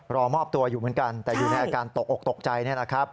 รอมอบตัวอยู่เหมือนกันแต่อยู่ในอาการตกอกตกใจเนี่ยนะครับ